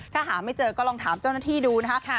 ถ้าหาไม่เจอก็ลองถามเจ้าหน้าที่ดูนะคะ